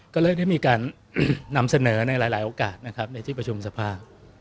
ก็เลยได้มีการนำเสนอในหลายโอกาสนะครับในที่ประชุมสภาพ